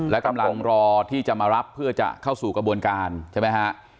และกำลังรอที่จะมารับเพื่อจะเข้าสู่กระบวนการใช่ไหมฮะ